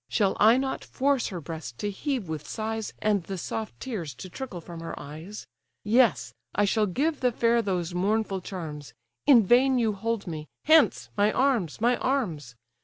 Shall I not force her breast to heave with sighs, And the soft tears to trickle from her eyes? Yes, I shall give the fair those mournful charms— In vain you hold me—Hence! my arms! my arms!